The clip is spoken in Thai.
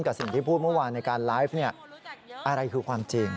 กับสิ่งที่พูดเมื่อวานในการไลฟ์อะไรคือความจริง